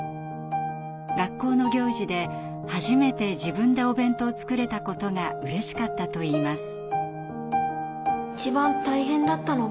学校の行事で初めて自分でお弁当を作れたことがうれしかったといいます。